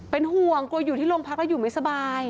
เป็นห่วงกลัวอยู่ที่โรงพักแล้วอยู่ไม่สบาย